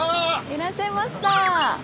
いらっしゃいました！